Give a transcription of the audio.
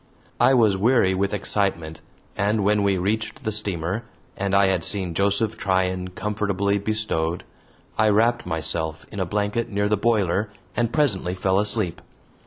I was weary with excitement, and when we reached the steamer, and I had seen Joseph Tryan comfortably bestowed, I wrapped myself in a blanket near the boiler and presently fell asleep.